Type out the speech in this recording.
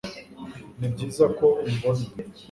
nibyiza ko umbona